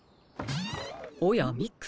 おやミックさん。